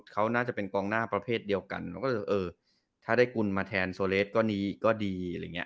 เขาน่าจะเป็นกองหน้าประเภทเดียวกันถ้าได้กุลมาแทนโซเลสก็ดี